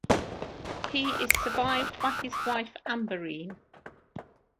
He is survived by his wife, Ambereen.